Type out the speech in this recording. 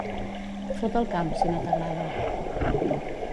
Fot el camp, si no t'agrada.